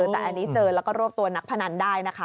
แต่อันนี้เจอแล้วก็รวบตัวนักพนันได้นะคะ